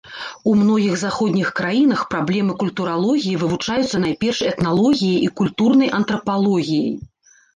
У многіх заходніх краінах праблемы культуралогіі вывучаюцца найперш этналогіяй і культурнай антрапалогіяй.